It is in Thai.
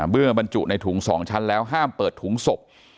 บรรจุในถุง๒ชั้นแล้วห้ามเปิดถุงศพ